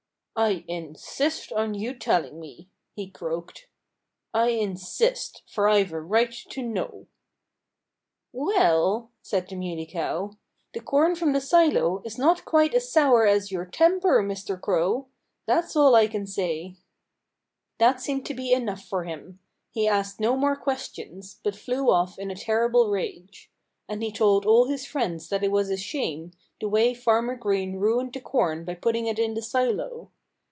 "I insist on your telling me," he croaked. "I insist; for I've a right to know." "Well," said the Muley Cow, "the corn from the silo is not quite as sour as your temper, Mr. Crow. And that's all I can say." That seemed to be enough for him. He asked no more questions, but flew off in a terrible rage. And he told all his friends that it was a shame, the way Farmer Green ruined the corn by putting it in the silo.